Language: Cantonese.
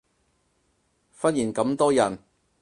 忽然咁多人